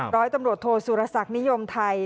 ร้อยตำรวจโทสุรศักดิ์นิยมไทย